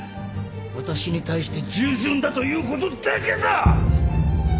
私に対して従順だということだけだ！